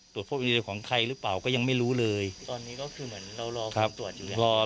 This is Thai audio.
ตรวจพบดีเนเอของใครหรือเปล่าก็ยังไม่รู้เลยตอนนี้ก็คือเหมือนเรารอตรวจอยู่